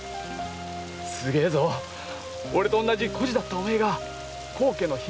すげえぞ俺と同じ孤児だったお前が高家の姫君様だ！